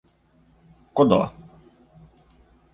Codó